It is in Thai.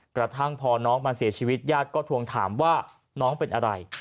กระทั่งพอน้องมาเสียชีวิตญาติก็ทวงถามว่าน้องเป็นอะไร